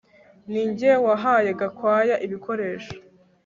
Ninjye wahaye Gakwaya ibikoresho